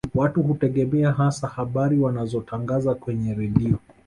Watu hutegemea hasa habari wanazotangaza kwenye redio